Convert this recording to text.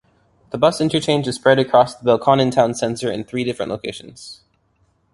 The bus interchange is spread across the Belconnen town centre in three different locations.